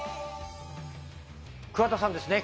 桑田さんですね。